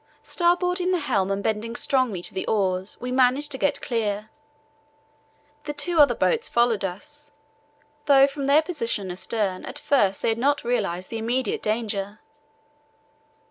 Starboarding the helm and bending strongly to the oars, we managed to get clear. The two other boats followed us, though from their position astern at first they had not realized the immediate danger.